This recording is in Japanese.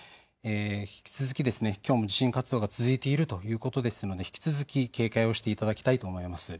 引き続き、きょうも地震活動が続いているということですので引き続き警戒をしていただきたいと思います。